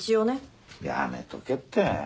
やめとけって。